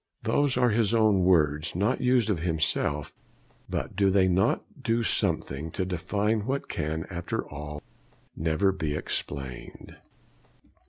Those are his own words, not used of himself; but do they not do something to define what can, after all, never be explained?